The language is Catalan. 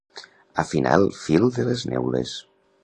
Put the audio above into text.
Afinar el fil de les neules.